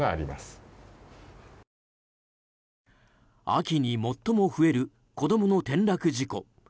秋に最も増える子供の転落事故。